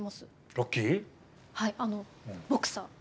はいあのボクサー。